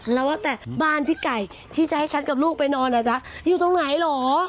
อ๋อเราว่าแต่บ้านพี่ไก่ที่จะให้ฉันกับลูกไปนอนอ่ะจ๊ะอยู่ตรงไหนหรอ